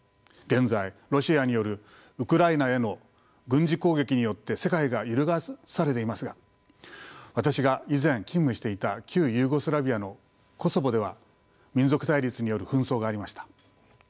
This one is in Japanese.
現在ロシアによるウクライナへの軍事攻撃によって世界が揺るがされていますが私が以前勤務していた旧ユーゴスラビアのコソボでは民族対立による紛争がありました。